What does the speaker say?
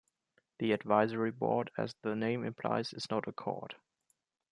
The Advisory Board as the name implies is not a court.